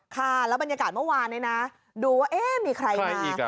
ค่ะแล้วบรรยากาศเมื่อวานนี้นะดูว่ามีใครมา